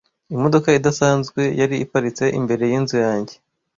Imodoka idasanzwe yari iparitse imbere yinzu yanjye.